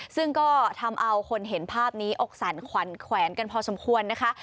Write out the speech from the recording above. ซึ่งก็ทำเอาคนเห็นภาพนี้อกสั่นขวัญแขวนกันพอสมควรนะคะ